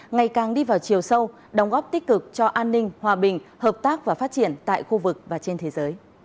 ngày càng đi vào chiều sâu đóng góp tích cực cho an ninh hòa bình hợp tác và phát triển tại khu vực và trên thế giới